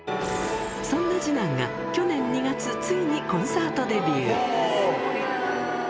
そんな次男が去年２月、ついにコンサートデビュー。